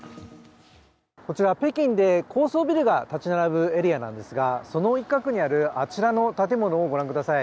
こちら、北京で高層ビルが建ち並ぶエリアなんですがその一角にある、あちらの建物を御覧ください。